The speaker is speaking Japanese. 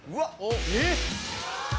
・えっ！